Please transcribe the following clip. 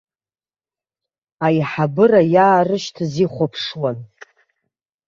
Аиҳабыра иаарышьҭыз ихәаԥшуан.